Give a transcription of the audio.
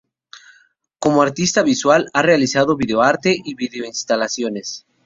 Como artista visual ha realizado videoarte y video instalaciones.